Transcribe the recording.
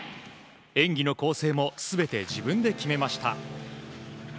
演技の構成も全て自分で決めました。